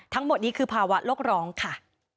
ทั้งหมดนี้คือภาวะโลกร้องค่ะ